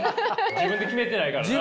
自分で決めてないからな。